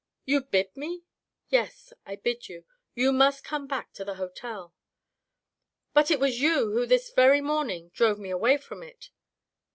"You bid me?" " Yes, I bid you. You must come back to the hotel." " But it was you who this very morning drove me away from it."